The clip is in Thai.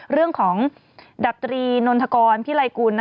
เรื่องของดับตรีนนทกรพิไลกุล